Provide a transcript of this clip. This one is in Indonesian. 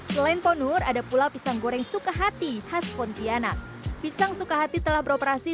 selain ponur ada pula pisang goreng sukahati khas pontianak pisang sukahati telah beroperasi